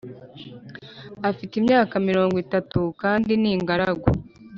afite imyaka mirongo itatu kandi ni ingaragu